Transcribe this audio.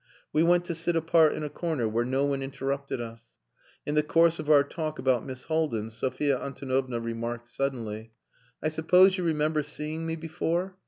We went to sit apart in a corner where no one interrupted us. In the course of our talk about Miss Haldin, Sophia Antonovna remarked suddenly "I suppose you remember seeing me before?